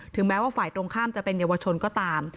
แม้ว่าฝ่ายตรงข้ามจะเป็นเยาวชนก็ตาม